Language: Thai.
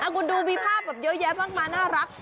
คุณดูมีภาพแบบเยอะแยะมากมายน่ารัก